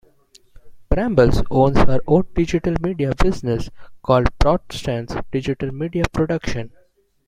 Brambles owns her own digital media business called Broadstance Digital Media Production.